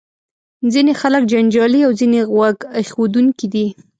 ځینې خلک جنجالي او ځینې غوږ ایښودونکي دي.